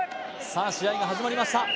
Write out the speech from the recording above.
さあ試合が始まりました